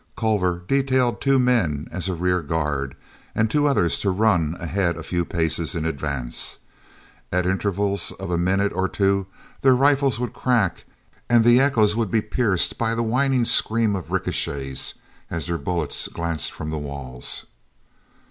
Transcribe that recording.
Culver detailed two men as a rear guard and two others to run ahead a few paces in advance. At intervals of a minute or two their rifles would crack, and the echoes would be pierced by the whining scream of ricochets, as their bullets glanced from the walls.